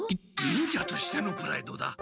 忍者としてのプライドだ。